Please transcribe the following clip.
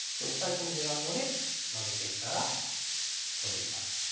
込む手があるのでマゲてきたらトンでいきます。